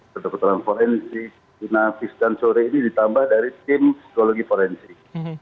keterangan forensik dinafiskan sore ini ditambah dari tim psikologi forensik